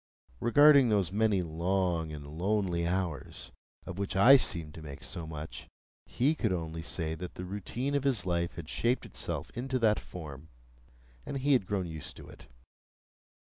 Regarding those many long and lonely hours of which I seemed to make so much, he could only say that the routine of his life had shaped itself into that form, and he had grown used to it.